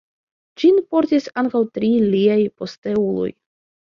Ĝin portis ankaŭ tri liaj posteuloj.